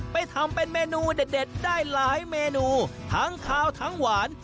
ไปทำเป็นเมนูเด็ดได้หลายเมนูทั้งขาวทั้งหวาน